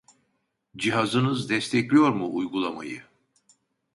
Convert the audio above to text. Cihazınız destekliyor mu uygulamayı ?